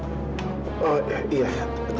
iya terima kasih ya